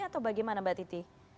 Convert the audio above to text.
atau bagaimana mbak titi